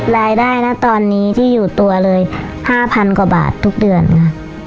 รายได้นะตอนนี้ที่อยู่ตัวเลย๕๐๐กว่าบาททุกเดือนค่ะ